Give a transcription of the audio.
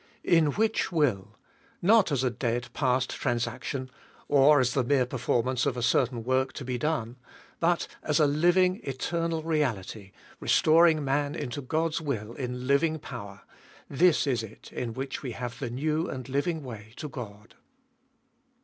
In which will, not as a dead past transaction, or as the mere performance of a certain work to be done, but as a living eternal reality restoring man into God's will in living power — this it is in which we have the new and living way to God.